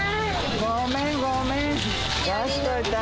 ごめん、ごめん。